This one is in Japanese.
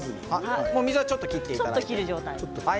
水はちょっと切ってください。